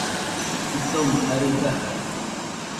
Jitoma arɨ dajade